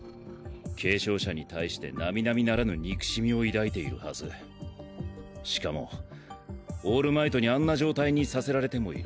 継承者に対して並々ならぬ憎しみを抱いているはずしかもオールマイトにあんな状態にさせられてもいる。